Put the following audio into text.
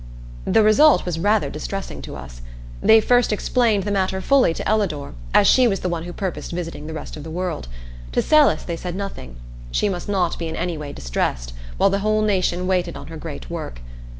The result was rather distressing to us. They first explained the matter fully to Ellador, as she was the one who purposed visiting the Rest of the World. To Celis they said nothing. She must not be in any way distressed, while the whole nation waited on her Great Work.